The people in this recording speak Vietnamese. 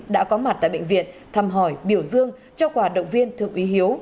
đã có mặt tại bệnh viện thăm hỏi biểu dương cho quả động viên thượng úy hiếu